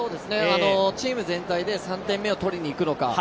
チーム全体で３点目を取りにいくのか。